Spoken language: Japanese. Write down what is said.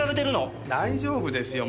大丈夫ですよ。